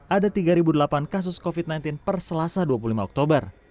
ada tiga delapan kasus covid sembilan belas per selasa dua puluh lima oktober